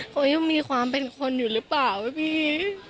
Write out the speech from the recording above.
เขายังมีความเป็นคนอยู่หรือเปล่าพี่